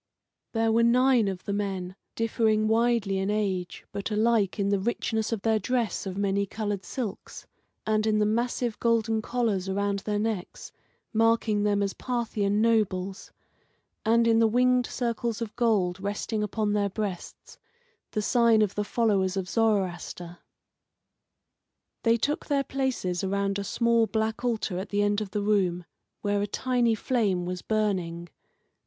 There were nine of the men, differing widely in age, but alike in the richness of their dress of many coloured silks, and in the massive golden collars around their necks, marking them as Parthian nobles, and in the winged circles of gold resting upon their breasts, the sign of the followers of Zoroaster. They took their places around a small black altar at the end of the room, where a tiny flame was burning.